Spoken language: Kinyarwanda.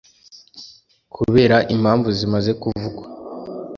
kubera impamvu zimaze kuvugwa,